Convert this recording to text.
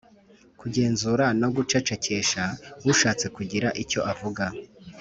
kugenzura no gucecekesha ushatse kugira icyo avuga